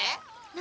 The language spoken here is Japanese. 何？